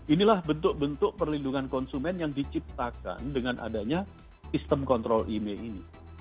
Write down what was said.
inilah bentuk bentuk perlindungan konsumen yang diciptakan dengan adanya sistem kontrol email ini